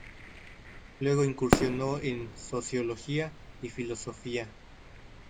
Luego incursionó en Sociología y Filosofía.